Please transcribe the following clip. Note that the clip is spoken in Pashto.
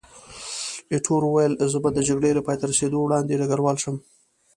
ایټور وویل، زه به د جګړې له پایته رسېدو وړاندې ډګروال شم.